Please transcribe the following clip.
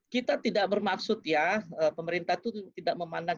kita tidak bermaksud ya pemerintah itu tidak memandang